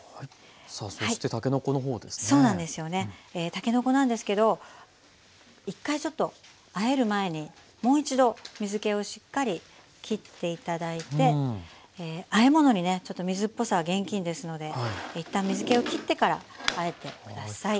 たけのこなんですけど一回ちょっとあえる前にもう一度水けをしっかりきって頂いてあえ物にね水っぽさは厳禁ですので一旦水けをきってからあえてください。